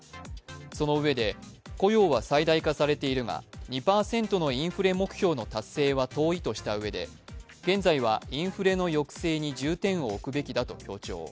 そのうえで、雇用は最大化されているが、２％のインフレ目標の達成は遠いとしたうえで現在はインフレの抑制に重点を置くべきだと強調。